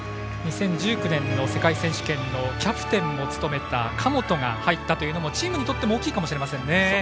２０１９年の世界選手権のキャプテンも務めた神本が入ったというのもチームにとって大きいかもしれませんね。